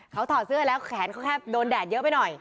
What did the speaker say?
เขาถอดเสื้อแล้วแขนเขาแค่โดนแดดเยอะไปหน่อย